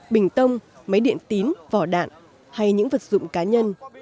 bình tông máy điện tín vỏ đạn hay những vật dụng cá nhân